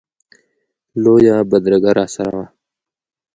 لویه بدرګه راسره وه.